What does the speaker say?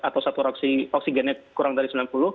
atau satu oksigennya kurang dari sembilan puluh